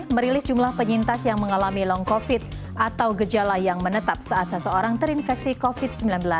merilis jumlah penyintas yang mengalami long covid atau gejala yang menetap saat seseorang terinfeksi covid sembilan belas